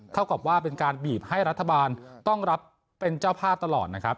เท่ากับว่าเป็นการบีบให้รัฐบาลต้องรับเป็นเจ้าภาพตลอดนะครับ